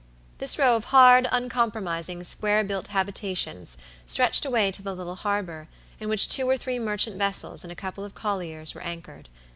This row of hard, uncompromising, square built habitations stretched away to the little harbor, in which two or three merchant vessels and a couple of colliers were anchored.